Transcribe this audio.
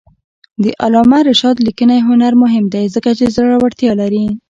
د علامه رشاد لیکنی هنر مهم دی ځکه چې زړورتیا لري.